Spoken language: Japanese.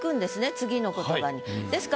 次の言葉に。